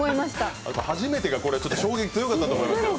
初めてがこれって衝撃、強かったと思いますよ。